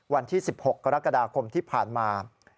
วันที่๑๖กรกฎาคมที่ผ่านมา